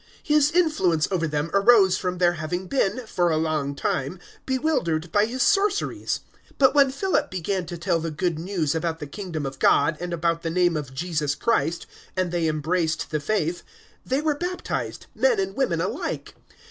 008:011 His influence over them arose from their having been, for a long time, bewildered by his sorceries. 008:012 But when Philip began to tell the Good News about the Kingdom of God and about the Name of Jesus Christ, and they embraced the faith, they were baptized, men and women alike.